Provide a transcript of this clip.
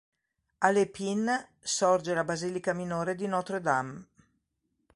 A L'Épine sorge la basilica minore di Notre-Dame.